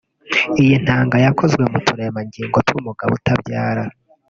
Iyi ntanga yakozwe mu turemangingo tw’umugabo utabyara